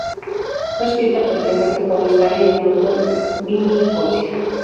Fue escrita por el cantante Paul Stanley y el productor Vini Poncia.